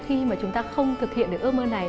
khi mà chúng ta không thực hiện được ước mơ này